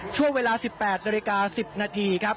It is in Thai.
ช่วงเวลา๑๘นาฬิกา๑๐นาทีครับ